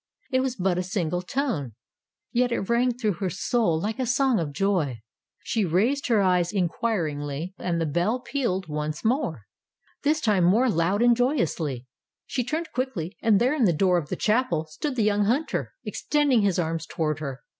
It was but a single tone, yet it rang through her soul like a song of joy. She raised her eyes inquiringly, and the bell pealed once more, Tales of Modern Germany 127 this time more loud and joyously. She turned quickly, and there in the door of the chapel stood the young hunter, extend ing his arms toward her.